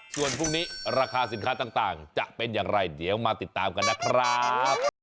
ส่วนพรุ่งนี้ราคาสินค้าต่างจะเป็นอย่างไรเดี๋ยวมาติดตามกันนะครับ